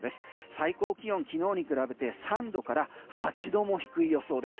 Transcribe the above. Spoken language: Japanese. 最高気温きのうに比べて３度から８度も低い予想です。